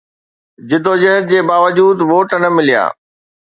جدوجهد جي باوجود ووٽ نه مليا